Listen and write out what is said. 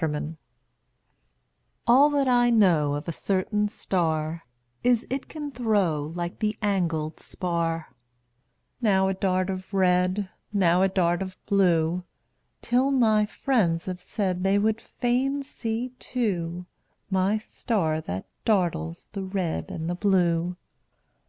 MY STAR All that I know Of a certain star Is, it can throw (Like the angled spar) Now a dart of red, 5 Now a dart of blue; Till my friends have said They would fain see, too, My star that dartles the red and the blue!